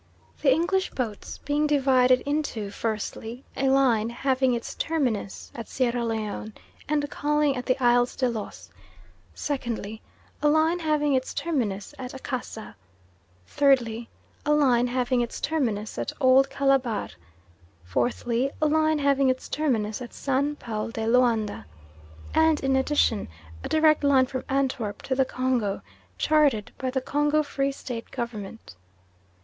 The English boats being divided into, firstly, a line having its terminus at Sierra Leone and calling at the Isles do Los; secondly, a line having its terminus at Akassa; thirdly, a line having its terminus at Old Calabar; fourthly, a line having its terminus at San Paul de Loanda, and in addition, a direct line from Antwerp to the Congo, chartered by the Congo Free State Government.